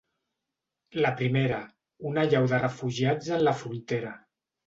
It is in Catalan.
La primera, una allau de refugiats en la frontera.